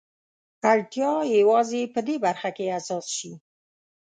اړتيا يوازې په دې برخه کې حساس شي.